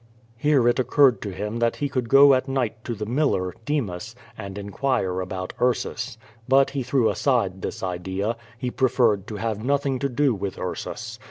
Here it occurred to him that he could go at night to the miller, Demas, and inquire about Ursus. But he threw aside this idea, he preferred to have nothing to do with Ursus.